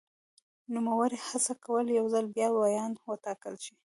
نوموړي هڅه کوله یو ځل بیا ویاند وټاکل شي.